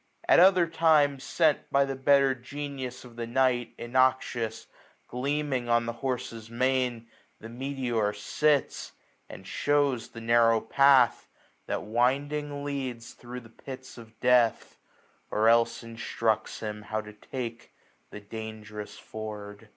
At pther times, Sent by the better Genius of the night. Innoxious, gleaming on the horse's mane. The meteor sits ; and shews the narrow pathj,, 1 160 That winding leads thro' pits of death, or else Instructs him how to take the dangerous ford.